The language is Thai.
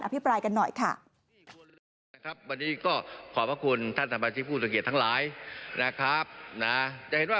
ผมดูเรือดน้อยกว่าเก่าเยอะ